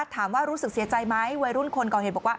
รู้สึกเสียใจไหมวัยรุ่นคนก่อเหตุบอกว่า